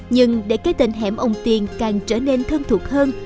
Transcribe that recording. nhưng để cái tên hẻm ông tiền càng trở nên thân thuộc hơn